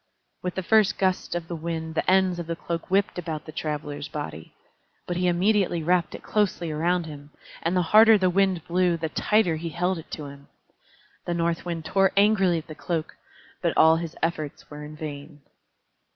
With the first gust of wind the ends of the cloak whipped about the Traveler's body. But he immediately wrapped it closely around him, and the harder the Wind blew, the tighter he held it to him. The North Wind tore angrily at the cloak, but all his efforts were in vain.